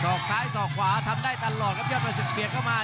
อกซ้ายสอกขวาทำได้ตลอดครับยอดประศึกเบียดเข้ามา